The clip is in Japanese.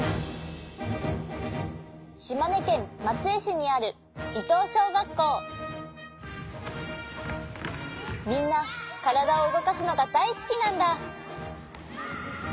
しまねけんまつえしにあるみんなからだをうごかすのがだいすきなんだ！